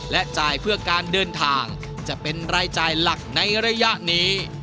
และจ่ายเพื่อการเดินทางจะเป็นรายจ่ายหลักในระยะนี้